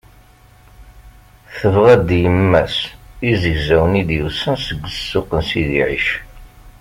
Tebɣa-d yemma-s izegzawen i d-yusan seg ssuq n Sidi Ɛic.